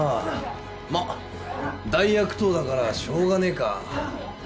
まあ大悪党だからしようがねえか。